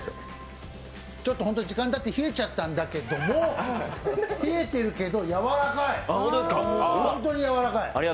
ちょっと本当に時間たって冷えちゃったんだけども、冷えてるけどやわらかい、ホントにやわらかい。